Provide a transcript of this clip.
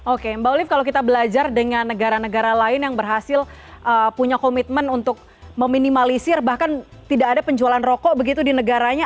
oke mbak olive kalau kita belajar dengan negara negara lain yang berhasil punya komitmen untuk meminimalisir bahkan tidak ada penjualan rokok begitu di negaranya